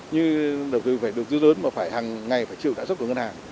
như đầu tư phải đầu tư lớn mà phải hàng ngày phải chịu cả sức của ngân hàng